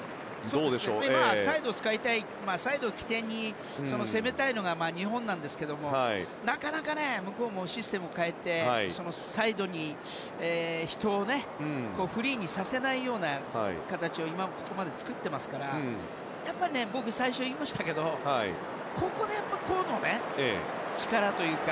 サイドを使いたいサイドを起点に攻めたいのが日本なんですがなかなか向こうもシステムを変えてサイドで人をフリーにさせないような形をここまで作っていますからやっぱり僕、最初に言いましたがここで個の力というか。